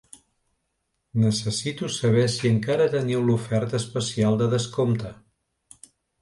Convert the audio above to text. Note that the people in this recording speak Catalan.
Necessito saber si encara teniu l,oferta especial de descompte.